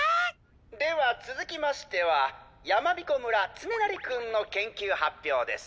ではつづきましてはやまびこ村つねなりくんの研究発表です。